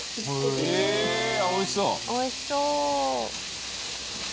藤本：おいしそう。